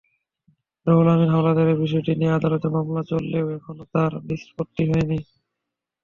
রুহুল আমিন হাওলাদারের বিষয়টি নিয়ে আদালতে মামলা চললেও এখনো তার নিষ্পত্তি হয়নি।